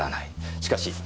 しかし。